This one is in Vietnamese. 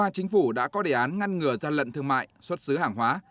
chính phủ đã có đề án ngăn ngừa gian lận thương mại xuất xứ hàng hóa